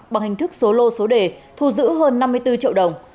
bằng hình thức số lô số đề thu giữ hơn năm mươi bốn triệu đồng